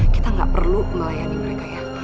kita nggak perlu melayani mereka ya